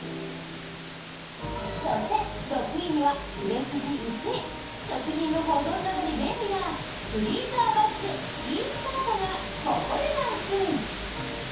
そして６位には売れ筋１位食品の保存などに便利なフリーザーバッグイースタードがここでランクイン。